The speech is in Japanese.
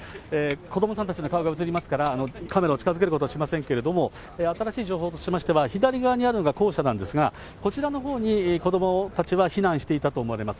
子どもさんたちの顔が映りますから、カメラを近づけることはしませんけれども、新しい情報としましては、左側にあるのが校舎なんですが、こちらのほうに子どもたちは避難していたと思われます。